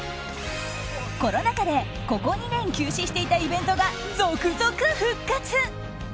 コロナ禍でここ２年休止していたイベントが続々、復活。